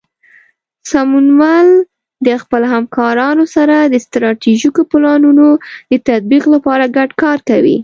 سمونمل د خپلو همکارانو سره د ستراتیژیکو پلانونو د تطبیق لپاره ګډ کار کوي.